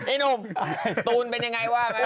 ไอ้หนุ่มตูนเป็นยังไงว่าไหม